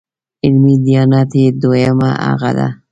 علمي دیانت یې دویمه هغه ده.